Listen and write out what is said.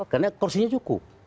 karena kursinya cukup